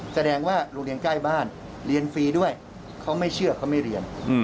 แสดงว่าโรงเรียนใกล้บ้านเรียนฟรีด้วยเขาไม่เชื่อเขาไม่เรียน